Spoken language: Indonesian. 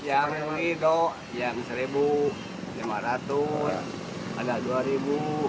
yang ini yang seribu lima ratus ada dua ribu